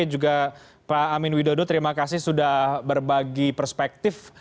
juga pak amin widodo terima kasih sudah berbagi perspektif